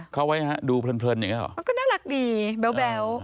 เข้าไว้ฮะดูเพลินอย่างนี้หรอก็น่ารักดีแบ๊ว